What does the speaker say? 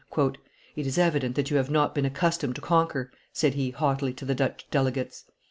"It is evident that you have not been accustomed to conquer!" said he haughtily to the Dutch delegates.